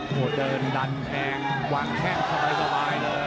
โหเดินดันแปลงวางแค่งเข้าไปสบายเลย